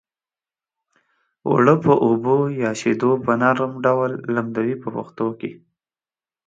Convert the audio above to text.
اوړه په اوبو یا شیدو په نرم ډول لمدوي په پښتو کې.